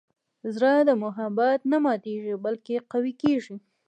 زړه د محبت نه ماتیږي، بلکې قوي کېږي.